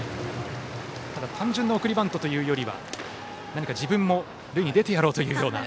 単純な送りバントというよりは何か自分も塁に出てやろうというような。